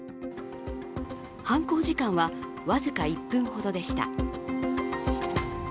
犯行時間は僅か１分ほどでした。